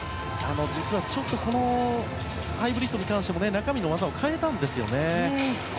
実はちょっとハイブリッドに関しても中身の技を変えたんですよね。